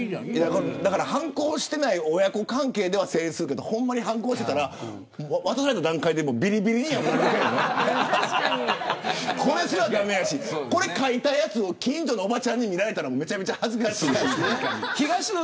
反抗していない親子関係では成立するけどほんまに反抗してたら渡された段階でびりびりに破くけどこれすら駄目やしこれ書いたやつを近所のおばちゃんに見られたらめちゃくちゃ恥ずかしいし。